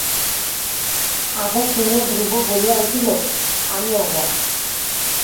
আজা শুনিয়া ধ্রুব বলিয়া উঠিল, আমি আজা।